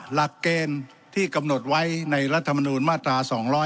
หลักเกณฑ์ที่กำหนดไว้ในรัฐมนูลมาตรา๒๗